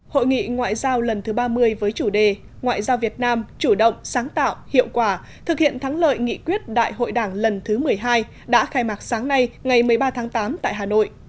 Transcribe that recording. hội nghị ngoại giao lần thứ ba mươi với chủ đề ngoại giao việt nam chủ động sáng tạo hiệu quả thực hiện thắng lợi nghị quyết đại hội đảng lần thứ một mươi hai đã khai mạc sáng nay ngày một mươi ba tháng tám tại hà nội